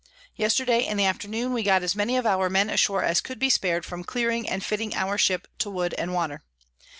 3._ Yesterday in the Afternoon we got as many of our Men ashore as could be spar'd from clearing and fitting our Ship, to wood and water.